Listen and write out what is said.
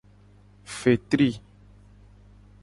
Fetri.